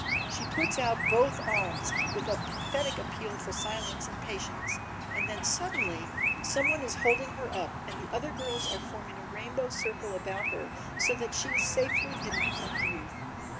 She puts out both arms with a pathetic appeal for silence and patience and then suddenly some one is holding her up and the other girls are forming a rainbow circle about her so that she is safely hidden from view.